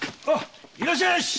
いらっしゃいやし！